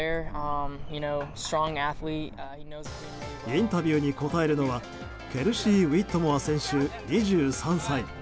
インタビューに答えるのはケルシー・ウィットモア選手２３歳。